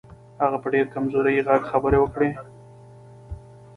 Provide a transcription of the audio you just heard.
هغه په ډېر کمزوري غږ خبرې وکړې.